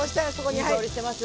いい香りしてます。